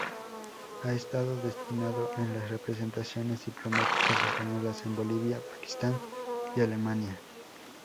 Ha estado destinado en las representaciones diplomáticas españolas en Bolivia, Pakistán y Alemania.